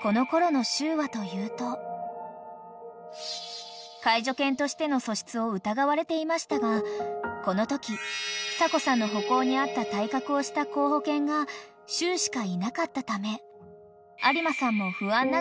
［しかし］［介助犬としての素質を疑われていましたがこのとき久子さんの歩行に合った体格をした候補犬がしゅうしかいなかったため有馬さんも不安ながら］